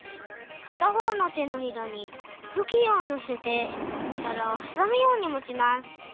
かたほうの手のひらにふきんをのせてお皿をはさむようにもちます。